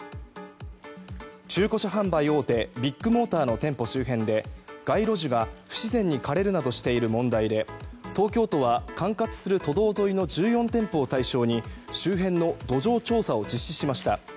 中古車販売大手ビッグモーターの店舗周辺で街路樹が不自然に枯れるなどした問題で東京都は管轄する都道沿いの１４店舗を対象に周辺の土壌調査を実施しました。